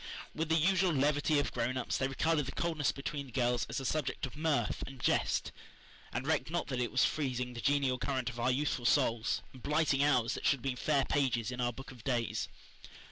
With the usual levity of grown ups, they regarded the coldness between the girls as a subject of mirth and jest, and recked not that it was freezing the genial current of our youthful souls, and blighting hours that should have been fair pages in our book of days.